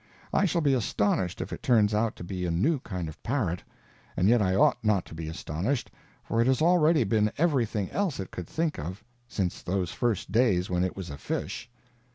I shall be astonished if it turns out to be a new kind of parrot; and yet I ought not to be astonished, for it has already been everything else it could think of since those first days when it was a fish.